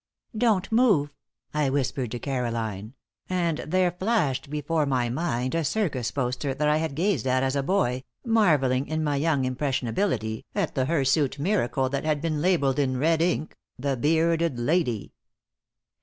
"Don't move," I whispered to Caroline, and there flashed before my mind a circus poster that I had gazed at as a boy, marveling in my young impressionability at the hirsute miracle that had been labeled in red ink, "The Bearded Lady."